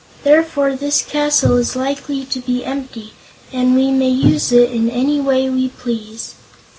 Therefore this castle is likely to be empty and we may use it in any way we please."